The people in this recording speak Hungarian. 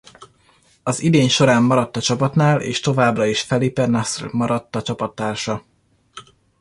Az idény során maradt a csapatnál és továbbra is Felipe Nasr maradt a csapattársa.